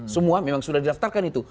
semua memang sudah didaftarkan itu